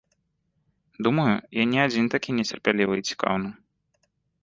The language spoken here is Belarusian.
Думаю, я не адзін такі нецярплівы і цікаўны.